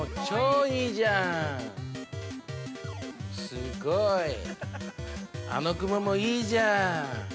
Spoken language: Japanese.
すっごい、あの雲もいいじゃん。